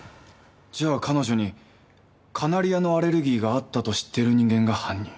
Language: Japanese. じゃあ彼女にカナリアのアレルギーがあったと知っている人間が犯人。